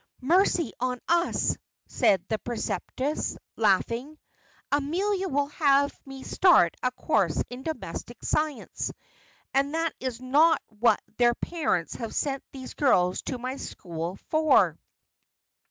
"Mercy on us!" said the preceptress, laughing. "Amelia will have me start a course in domestic science; and that is not what their parents have sent these girls to my school for."